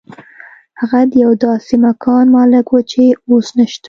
هغه د یو داسې مکان مالک و چې اوس نشته